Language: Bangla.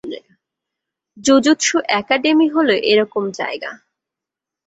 জুজুৎসু একাডেমী হলো এরকম জায়গা!